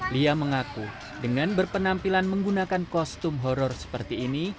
lia mengaku dengan berpenampilan menggunakan kostum horror seperti ini